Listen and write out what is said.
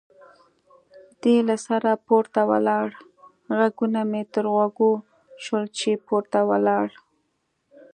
دی له سره پورته ولاړ، غږونه مې یې تر غوږو شول چې پورته ولاړل.